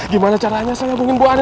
gimana caranya saya mengimbangkan buahan